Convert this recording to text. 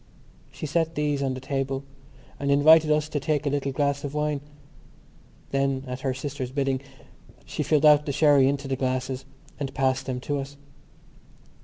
She set these on the table and invited us to take a little glass of wine. Then, at her sister's bidding, she filled out the sherry into the glasses and passed them to us.